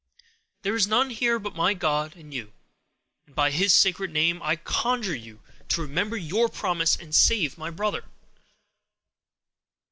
"There is none here but my God and you; and by His sacred name, I conjure you to remember your promise, and save my brother!"